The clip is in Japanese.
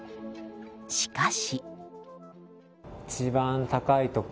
しかし。